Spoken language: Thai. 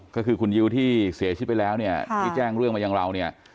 ก็คือคุณยิวที่เสียชิดไปแล้วที่แจ้งเรื่องมาอย่างเรา